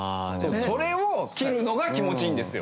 それを切るのが気持ちいいんですよ。